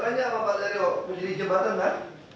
saya tanya ke pak dario berdiri jembatan kan